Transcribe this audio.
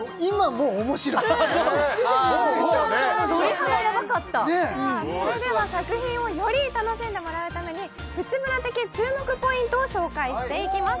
もう面白いもうすぐにめちゃめちゃ面白い鳥肌ヤバかったねっそれでは作品をより楽しんでもらうためにプチブラ的注目ポイントを紹介していきます